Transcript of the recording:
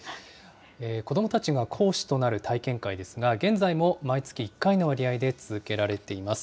子どもたちが講師となる体験会ですが、現在も毎月１回の割合で続けられています。